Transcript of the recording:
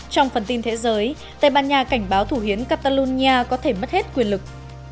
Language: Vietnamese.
trong phần tin thế giới tây ban nha cảnh báo thủ hiến catalonia có thể mất hết quyền lực